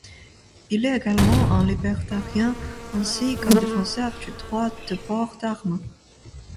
Il est également un libertarien ainsi qu'un défenseur du droit de port d'armes.